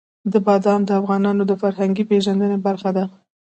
بادام د افغانانو د فرهنګي پیژندنې برخه ده.